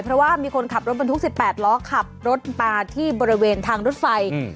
เพราะว่ามีคนขับรถบรรทุก๑๘ล้อขับรถมาที่บริเวณทางรถไฟ